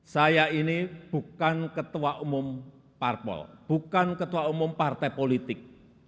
saya ini bukan ketua umum parpol bukan ketua umum partai politik